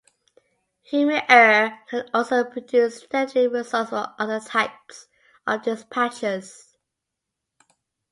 Human error can also produce deadly results for other types of dispatchers.